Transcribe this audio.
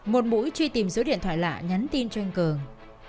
một mũi truy tìm số điện thoại lạ nhắn tin cho anh cường